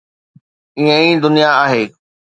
ائين ئي دنيا آهي.